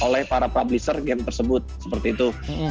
nah level club ini akan bertanding di event event komunitas jenis jenis